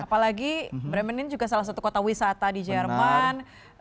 apalagi bremenin juga salah satu kota wisata di jerman